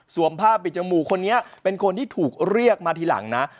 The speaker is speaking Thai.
ผ้าปิดจมูกคนนี้เป็นคนที่ถูกเรียกมาทีหลังนะ